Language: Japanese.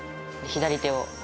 左手を。